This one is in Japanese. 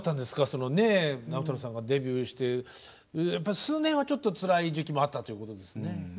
そのね直太朗さんがデビューしてやっぱり数年はちょっとつらい時期もあったということですね。